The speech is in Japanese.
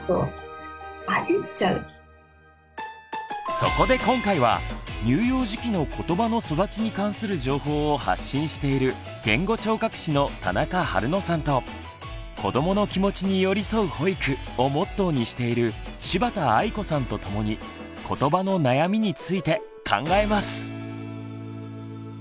そこで今回は乳幼児期のことばの育ちに関する情報を発信している言語聴覚士の田中春野さんと「子どもの気持ちに寄り添う保育」をモットーにしている柴田愛子さんとともにことばの悩みについて考えます。